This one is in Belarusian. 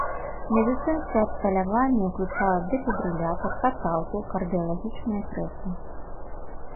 Медыцынскае абсталяванне ўключала дэфібрылятар, каталку, кардыялагічнае крэсла.